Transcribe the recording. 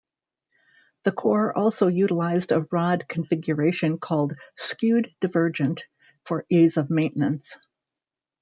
The core also utilized a rod configuration called "skewed divergent" for ease of maintenance.